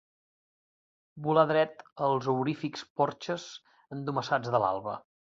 Volà dret als aurífics porxes endomassats de l'alba.